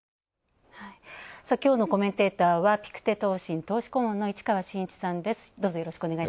きょうのコメンテーターはピクテ投信投資顧問の市川眞一さんです。